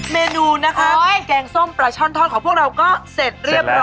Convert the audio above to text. เมนูนะคะแกงส้มปลาช่อนทอดของพวกเราก็เสร็จเรียบร้อย